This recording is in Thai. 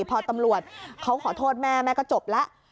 พอตำรวจเขาขอโทษแม่แม่ก็จบแล้ว